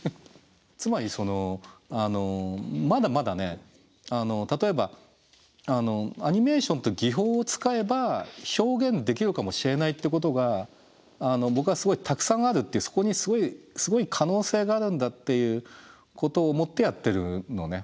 つまりそのまだまだね例えばアニメーションって技法を使えば表現できるかもしれないってことが僕はすごいたくさんあるってそこにすごい可能性があるんだっていうことを思ってやってるのね。